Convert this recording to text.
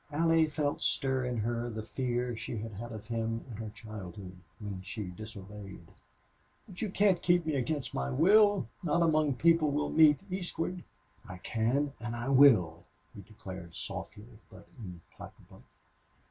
Allie felt stir in her the fear she had had of him in her childhood when she disobeyed. "But you can't keep me against my will not among people we'll meet eastward." "I can, and I will!" he declared, softly, but implacably.